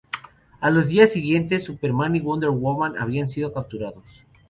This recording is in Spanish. A los días siguientes Superman y Wonder Woman habían sido capturados.